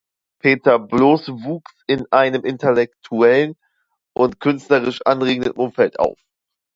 Peter Blos wuchs in einem intellektuellen und künstlerisch anregenden Umfeld auf.